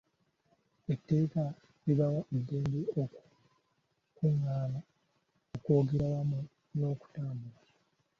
Eteeka libawa eddembe okukungaana, okwogera wamu n'okutambula.